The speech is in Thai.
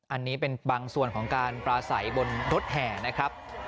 อันนี้เป็นบางส่วนของการปลาใสบนรถแห่นะครับ